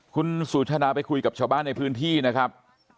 คุณสุชาดาไปคุยกับชาวบ้านในพื้นที่นะครับ